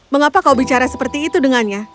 mengapa kau bicara seperti itu dengannya